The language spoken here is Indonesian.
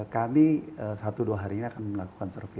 kami satu dua hari ini akan melakukan survei